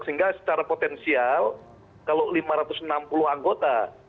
sehingga secara potensial kalau lima ratus enam puluh anggota